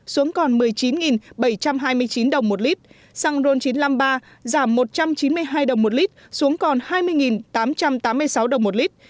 xuống còn một mươi chín bảy trăm hai mươi chín đồng một lít xăng ron chín mươi năm giảm một trăm chín mươi hai đồng một lít xuống còn hai mươi tám trăm tám mươi sáu đồng một lít